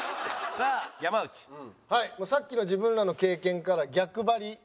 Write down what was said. さっきの自分らの経験から逆張り。